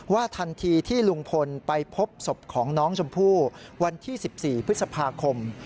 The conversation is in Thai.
ทันทีที่ลุงพลไปพบศพของน้องชมพู่วันที่๑๔พฤษภาคม